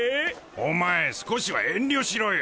お前少しは遠慮しろよ。